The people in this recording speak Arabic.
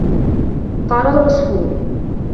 طَارَ الْعَصْفُورُ.